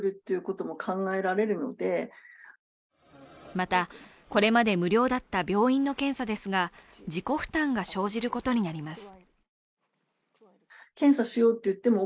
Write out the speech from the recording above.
また、これまで無料だった病院の検査ですが、自己負担が生じることになります。